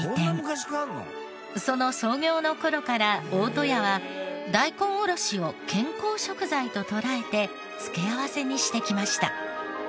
その創業の頃から大戸屋は大根おろしを健康食材と捉えて付け合わせにしてきました。